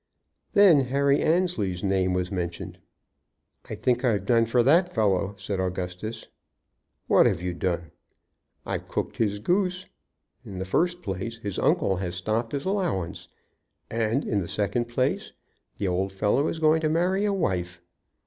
Then Harry Annesley's name was mentioned. "I think I've done for that fellow," said Augustus. "What have you done?" "I've cooked his goose. In the first place, his uncle has stopped his allowance, and in the second place the old fellow is going to marry a wife.